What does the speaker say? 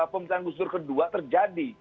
pemerintahan gusdur ke dua terjadi